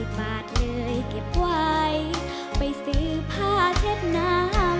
๓๑๐บาทเลยเก็บไว้ไปสือผ้าเท็ดน้ำ